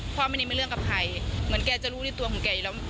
ไม่ได้มีเรื่องกับใครเหมือนแกจะรู้ในตัวของแกอยู่แล้ว